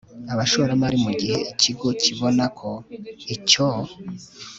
abashoramari mu gihe ikigo kibona ko icyo r